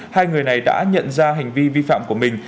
hai người này đã nhận ra hành vi vi phạm của mình